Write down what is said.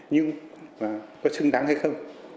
nhưng có xứng đáng hay không